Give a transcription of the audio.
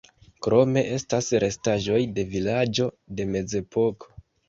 Krome, estas restaĵoj de vilaĝo de Mezepoko.